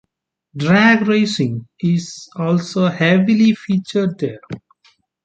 Drag racing is also heavily featured there.